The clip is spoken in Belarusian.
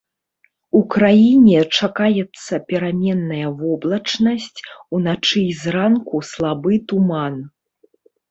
У краіне чакаецца пераменная воблачнасць, уначы і зранку слабы туман.